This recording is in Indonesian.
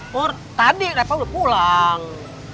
mohon tadi repah udah pulang